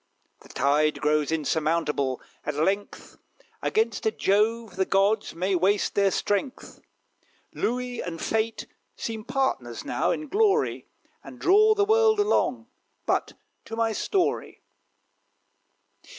The tide grows insurmountable, at length; Against a Jove the gods may waste their strength. Louis and Fate seem partners now, in glory, And draw the world along. But to my story.